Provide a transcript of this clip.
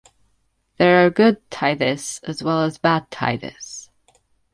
There are good "tithis" as well as bad "tithis".